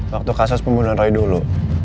waktu kasus pembunuhan roy dulu